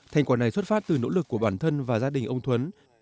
thành quả này xuất phát từ nỗ lực của bản thân và gia đình ông thuấn